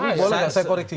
tapi boleh gak saya koreksi